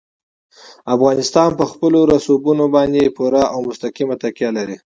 افغانستان په خپلو رسوبونو باندې پوره او مستقیمه تکیه لري.